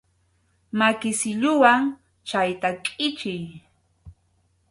Maki silluwan chayta kʼichiy.